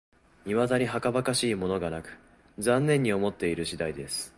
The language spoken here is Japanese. いまだにはかばかしいものがなく、残念に思っている次第です